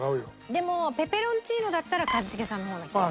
でもペペロンチーノだったら一茂さんの方な気がする。